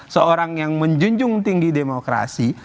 seorang yang menjunjung tinggi demokrasi